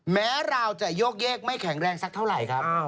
แม้เราจะโยกเยกไม่แข็งแรงสักเท่าไหร่ครับ